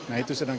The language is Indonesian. nah itu sedangkan